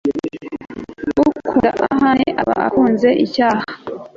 ukunda amahane aba akunze icyaha